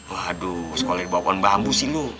waduh sekolah di bawah kawan bambu sih lu